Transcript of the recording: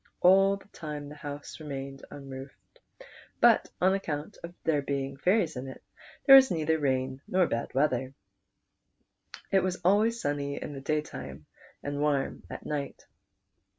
All that time the house remained unroofed ; but on account of there being fairies in it, there was neither rain nor bad weather. PRINCE DOR AN. i6i It was always sunny in the daytime and warm at night.